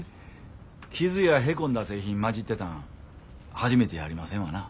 傷やへこんだ製品交じってたん初めてやありませんわな。